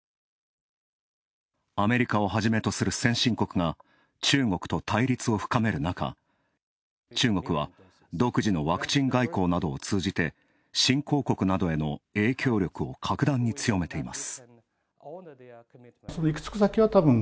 アメリカをはじめとする先進国が中国と対立を深める中、中国は独自のワクチン外交などを通じて新興国などへの影響力を格段に強めています。